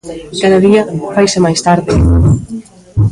Cada día faise máis tarde.